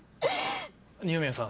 二宮さん